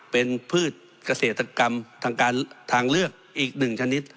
เป็นพืชเกษตรกรรมทางเลือกอีกหนึ่งชนิด